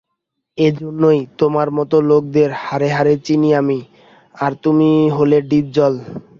এজন্য-ই তোমার মতো লোকদের হাড়েহাড়ে চিনি আমি, - আর তুমি হলে ডিপজল।